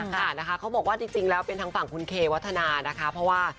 ค่ะนะคะเขาบอกว่าจริงแล้วเป็นทางฝั่งคุณเควัฒนานะคะเพราะว่า